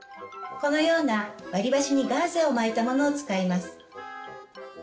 このような割り箸にガーゼを巻いたものを使います。